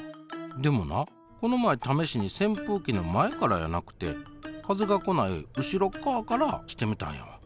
でもなこの前ためしにせんぷうきの前からやなくて風が来ない後ろっかわからしてみたんやわ。